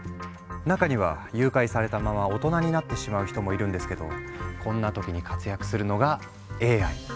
中には誘拐されたまま大人になってしまう人もいるんですけどこんなときに活躍するのがＡＩ。